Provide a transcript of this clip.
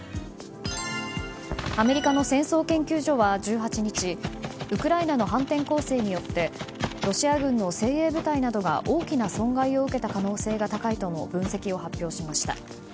アメリカの戦争研究所は１８日ウクライナの反転攻勢によってロシア軍の精鋭部隊などが大きな損害を受けた可能性が高いとの分析を発表しました。